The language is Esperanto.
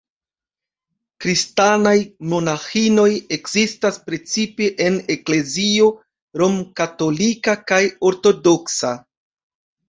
Kristanaj monaĥinoj ekzistas precipe en eklezio romkatolika kaj ortodoksa.